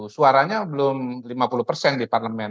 suaranya belum lima puluh persen di parlemen